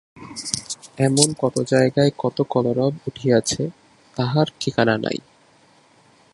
এমন কত জায়গায় কত কলরব উঠিয়াছে তাহার ঠিকানা নাই।